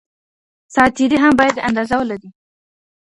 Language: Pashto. ساعت تیري هم باید اندازه ولري.